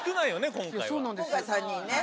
今回３人ね。